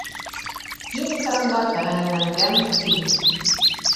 Киң экранға тәғәйенләнгән фильм